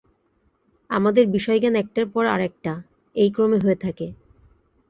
আমাদের বিষয়-জ্ঞান একটার পর আর একটা, এই ক্রমে হয়ে থাকে।